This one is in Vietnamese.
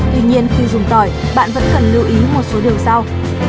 tuy nhiên khi dùng tỏi bạn vẫn cần lưu ý một số điều sau